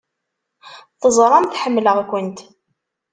Teẓramt ḥemmleɣ-kent!